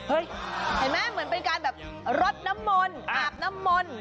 เห็นไหมเหมือนเป็นการแบบรดน้ำมนต์อาบน้ำมนต์